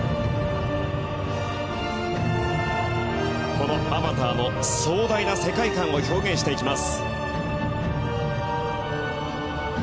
この「アバター」の壮大な世界観を表現していきます。